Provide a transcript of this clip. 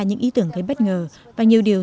những ý tưởng thấy bất ngờ và nhiều điều